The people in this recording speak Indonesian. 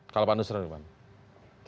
kalau pak nusron itu pak